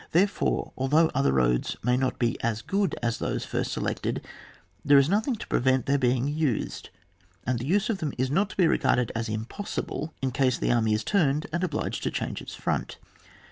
Therefore, although other roads may not be as good as those at first selected there is nothing to prevent their being used, and the use of them is not to be regarded as impoeeihle in case the army is turned and obliged to change its front.